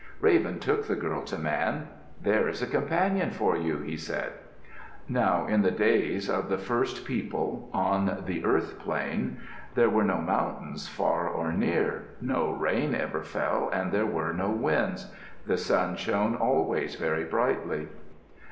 Raven took the girl to Man. "There is a companion for you," he said. Now in the days of the first people on the earth plain, there were no mountains far or near. No rain ever fell and there were no winds. The sun shone always very brightly.